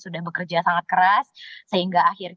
untuk kepenik dan sarakesh tuan